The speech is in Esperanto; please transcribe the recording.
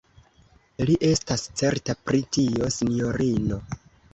Li estas certa pri tio, sinjorino.